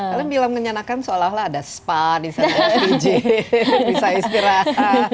kalian bilang menyenangkan seolah olah ada spa di sana ada dj bisa istirahat